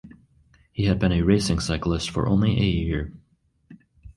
He had been a racing cyclist for only a year.